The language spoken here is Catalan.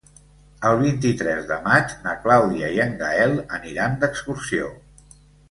El vint-i-tres de maig na Clàudia i en Gaël aniran d'excursió.